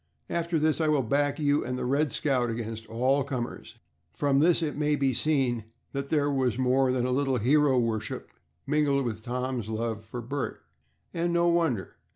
After this I will back you and the 'Red Scout' against all comers." From this it may be seen that there was more than a little hero worship mingled with Tom's love for Bert, and no wonder.